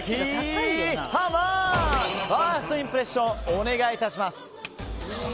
ファーストインプレッションお願い致します。